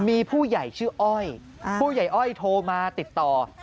มีผู้ใหญ่ชื่ออ้อยผู้ใหญ่อ้อยโทรมาติดต่อ